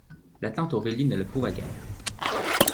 La tante Aurélie ne l'approuva guère.